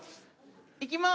いきます。